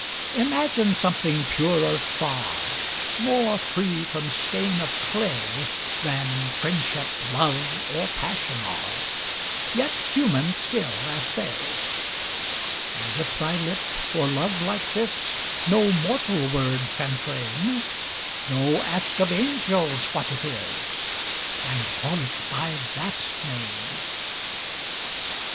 Imagine something purer far, More free from stain of clay Than Friendship, Love, or Passion are, Yet human, still as they: And if thy lip, for love like this, No mortal word can frame, Go, ask of angels what it is, And call it by that name!